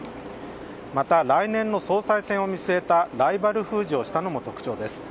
また、来年の総裁選を見据えたライバル封じをしたのも特徴です。